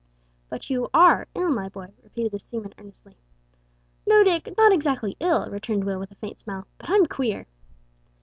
"But you are ill, my boy," repeated the seaman earnestly. "No, Dick, not exactly ill," returned Will, with a faint smile, "but I'm queer."